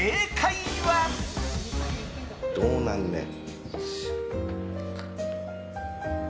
どうなんねん。